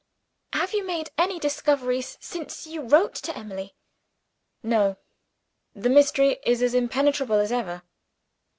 "Have you made any discoveries since you wrote to Emily?" "No. The mystery is as impenetrable as ever."